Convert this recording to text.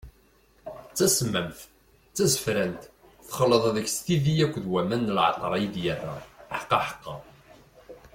D tasemmamt, d tazefrant, texleḍ deg-s tidi akked waman n leɛṭer i d-yerra, ḥqaḥqa!